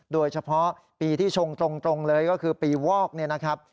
โดยเฉพาะปีที่ชงตรงเลยก็คือปีวอกเนี่ยนะครับ